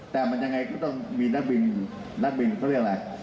แต่มันยังไงก็ต้องมีนักบินนักบินเขาเรียกอะไร